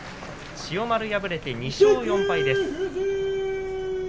千代丸、敗れて２勝４敗です。